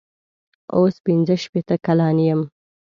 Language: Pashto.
اوس پنځه شپېته کلن یم.